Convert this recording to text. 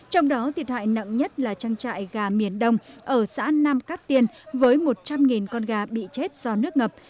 trong đó thiệt hại nặng nhất là trang trại gà miền đông ở xã nam cát tiên với một trăm linh con gà bị chết do nước ngập